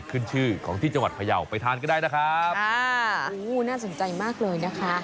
อู้วน่าสนใจมากเลยนะคะ